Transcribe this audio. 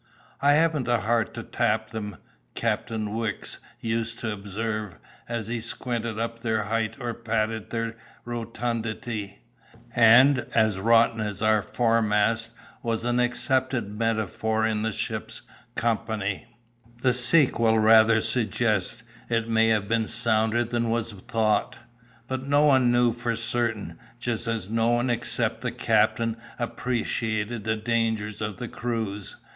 "I haven't the heart to tap them," Captain Wicks used to observe, as he squinted up their height or patted their rotundity; and "as rotten as our foremast" was an accepted metaphor in the ship's company. The sequel rather suggests it may have been sounder than was thought; but no one knew for certain, just as no one except the captain appreciated the dangers of the cruise.